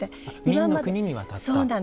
明の国に渡った。